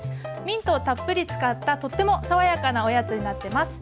ミントをたっぷり使ったとっても爽やかなおやつになってます。